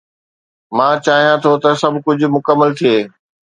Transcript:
مان چاهيان ٿو ته سڀ ڪجهه مڪمل ٿئي